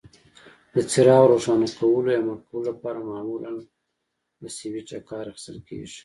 د څراغ روښانه کولو یا مړ کولو لپاره معمولا له سویچ کار اخیستل کېږي.